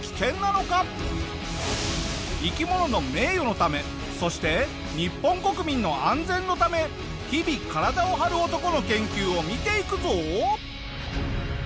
生き物の名誉のためそして日本国民の安全のため日々体を張る男の研究を見ていくぞ。